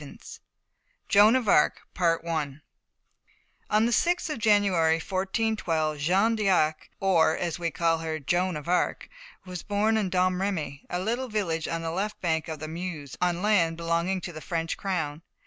V JOAN OF ARC On the 6th of January, 1412, Jeanne d'Arc, or, as we call her, Joan of Arc, was born at Domremy, a little village on the left bank of the Meuse, on land belonging to the French crown.